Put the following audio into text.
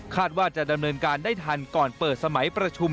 ว่าจะดำเนินการได้ทันก่อนเปิดสมัยประชุม